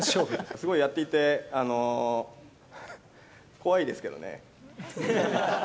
すごいやっていて、怖いです